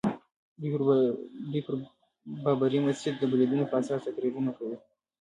دوی پر بابري مسجد د بریدونو په اساس تقریرونه کوي.